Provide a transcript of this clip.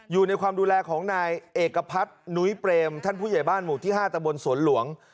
อยู่ในความดูแลของนายเอกพัฒนุ้ยเปรมท่านผู้ใหญ่บ้านหมู่ที่๕ตะบนสวนหลวง